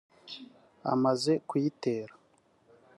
Amaze kuyitera